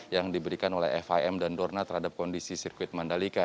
yang diberikan oleh fim dan dorna terhadap kondisi sirkuit mandalika